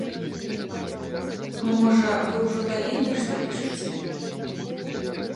Можа, вы ўжо далей нешта пішаце?